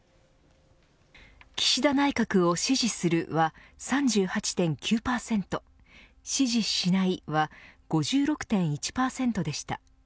岸田内閣を支持するは３８．９％支持しないは５６．１％でした。